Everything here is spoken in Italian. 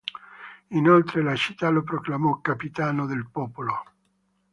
Inoltre la città lo proclamò Capitano del popolo.